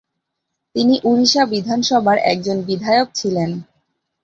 তিনি উড়িষ্যা বিধানসভার একজন বিধায়ক ছিলেন।